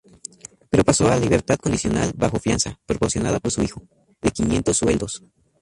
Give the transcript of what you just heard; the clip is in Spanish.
Pero pasó a libertad condicional bajo fianza —proporcionada por su hijo— de quinientos sueldos.